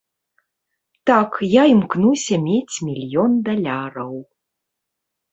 Так, я імкнуся мець мільён даляраў.